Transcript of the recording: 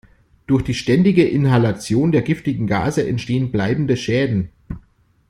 Durch die ständige Inhalation der giftigen Gase entstehen bleibende Schäden.